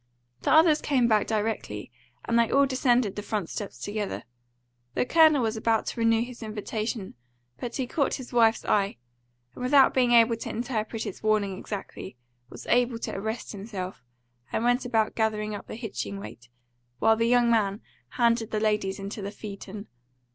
The others came back directly, and they all descended the front steps together. The Colonel was about to renew his invitation, but he caught his wife's eye, and, without being able to interpret its warning exactly, was able to arrest himself, and went about gathering up the hitching weight, while the young man handed the ladies into the phaeton.